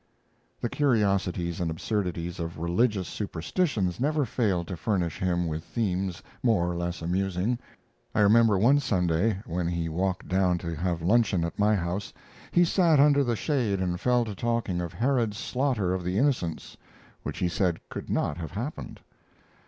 The curiosities and absurdities of religious superstitions never failed to furnish him with themes more or less amusing. I remember one Sunday, when he walked down to have luncheon at my house, he sat under the shade and fell to talking of Herod's slaughter of the innocents, which he said could not have happened.